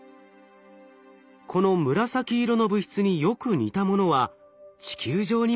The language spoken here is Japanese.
この紫色の物質によく似たものは地球上にも存在しているといいます。